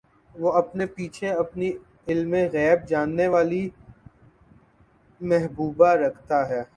وہ اپنے پیچھے اپنی علمِغیب جاننے والی محبوبہ رکھتا ہے